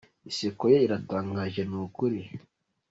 Iseko ye iratangaje nukuri.